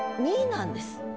なんです。